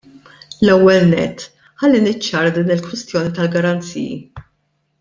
L-ewwel nett ħalli niċċara din il-kwestjoni tal-garanziji.